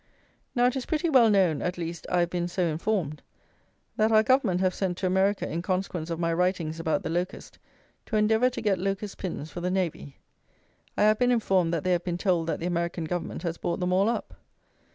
Now it is pretty well known, at least, I have been so informed, that our Government have sent to America in consequence of my writings about the locust, to endeavour to get locust pins for the navy. I have been informed that they have been told that the American Government has bought them all up.